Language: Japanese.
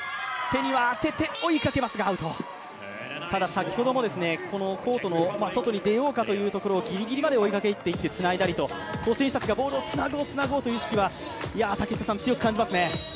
先ほども、このコートの外に出ようかというところをギリギリまで追いかけていってつないだりと、選手たちがボールをつなごう、つなごうという意識は強く感じますね。